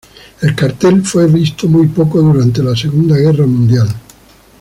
El cartel fue visto muy poco durante la Segunda Guerra Mundial.